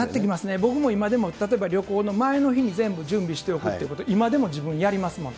僕も今でも、例えば旅行の前の日に全部準備しておくっていうこと、今でも自分でやりますもの。